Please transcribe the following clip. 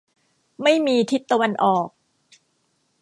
ไม่มีทิศตะวันออก